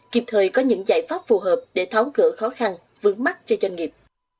kịp thời có những giải pháp phù hợp để tháo gỡ khó khăn vướng mắt cho doanh nghiệp